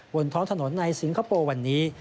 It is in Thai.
บนท้องถนนในสิงคโปร์วันนี้